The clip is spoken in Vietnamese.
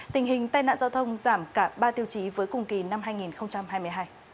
tình hình tai nạn giao thông giảm cả ba tiêu chí với cùng kỳ năm hai nghìn hai mươi hai